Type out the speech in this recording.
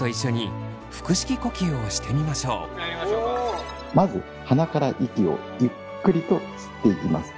藤井先生とまず鼻から息をゆっくりと吸っていきます。